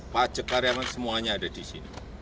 pajak karyawan semuanya ada di sini